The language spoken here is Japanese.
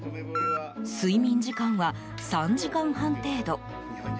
睡眠時間は３時間半程度。